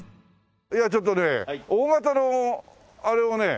いやちょっとねＯ型のあれをね。